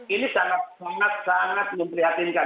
ini sangat sangat memprihatkan